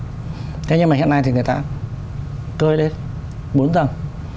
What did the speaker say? thế nhưng mà hiện nay thì người ta cơi lên bốn tầng